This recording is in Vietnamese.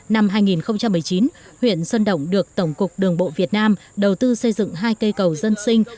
năm hai nghìn một mươi chín huyện sơn động được tổng cục đường bộ việt nam đầu tư xây dựng hai cây cầu dân sinh